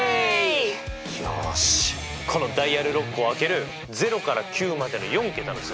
よしこのダイヤルロックを開ける０から９までの４桁の数字